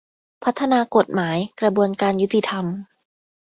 พัฒนากฎหมาย กระบวนการยุติธรรม